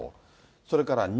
それから２。